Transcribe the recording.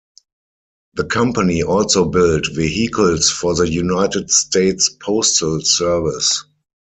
The company also built vehicles for the United States Postal Service.